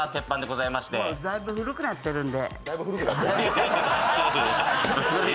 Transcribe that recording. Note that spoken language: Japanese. だいぶ古くなってるんで。